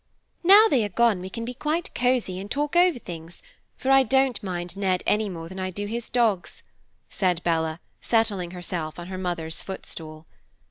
"Now they are gone we can be quite cozy, and talk over things, for I don't mind Ned any more than I do his dogs," said Bella, settling herself on her mother's footstool.